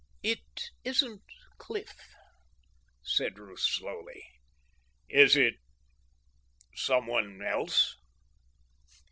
"It isn't Cliff," said Ruth slowly. "Is it some one else?"